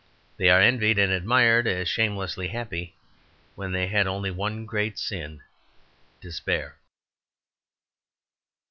They are envied and admired as shamelessly happy when they had only one great sin despair.